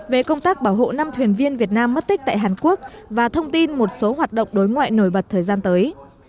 về công tác bảo hộ năm thuyền viên việt nam mất tích tại hàn quốc và thông tin một số hoạt động đối ngoại nổi bật thời gian tới